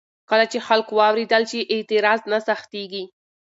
کله چې خلک واورېدل شي، اعتراض نه سختېږي.